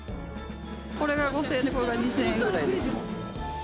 これが５０００円、これが２０００円くらいだったかな。